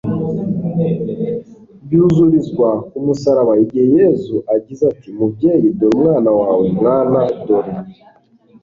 byuzurizwa ku musaraba igihe yezu agize ati mubyeyi dore umwana wawe, mwana dore